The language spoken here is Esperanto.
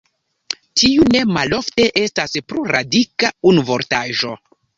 Tiu ne malofte estas plurradika unuvortaĵo.